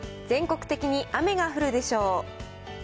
全国的に雨が降るでしょう。